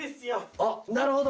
あっなるほど！